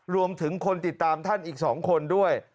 รวมถึงคนติดตามท่านอีก๒คนด้วย